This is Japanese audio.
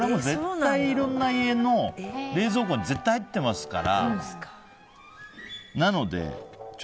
いろんな家の冷蔵庫に絶対入ってますから。